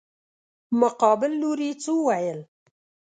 مقابل لوري څه وويل.